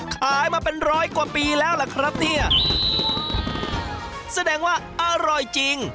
ขายมาเป็นร้อยกว่าปีแล้วล่ะครับเนี่ยแสดงว่าอร่อยจริง